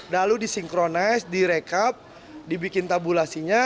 lalu disinkronize direkap dibikin tabulasinya